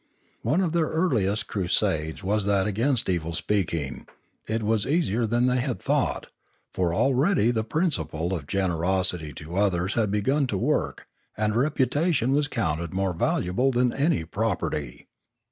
One of their earliest crusades was that against evil speaking; it was easier than they had thought, for already the principle of generosity to others had begun to work and reputation was counted more valuable than any property.